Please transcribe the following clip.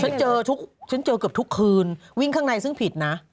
ฉันเจอทุกฉันเจอเกือบทุกคืนวิ่งข้างในซึ่งผิดนะ